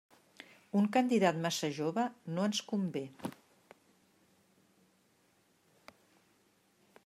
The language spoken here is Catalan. Un candidat massa jove no ens convé.